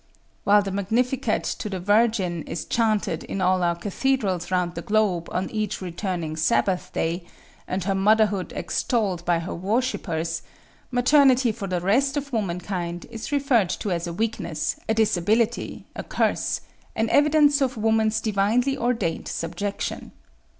While the Magnificat to the Virgin is chanted in all our cathedrals round the globe on each returning Sabbath day, and her motherhood extolled by her worshipers, maternity for the rest of womankind is referred to as a weakness, a disability, a curse, an evidence of woman's divinely ordained subjection.